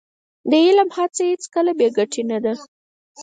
د علم هڅه هېڅکله بې ګټې نه ده.